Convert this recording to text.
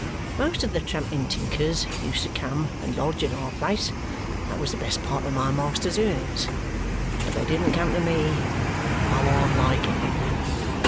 Most of the tramping tinkers used to come and lodge at our place; that was the best part of my master's earnings. But they didn't come to me. I warn't like him.